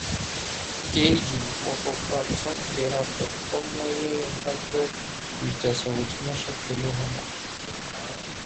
Գեյջին ֆոտոֆրակցիոն կերատէկտոմիայի է ենթարկվել՝ իր տեսողությունը շտկելու համար։